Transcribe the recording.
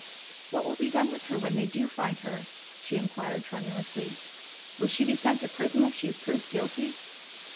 "What will be done with her when they do find her?" she inquired tremulously. "Will she be sent to prison if she is proved guilty?"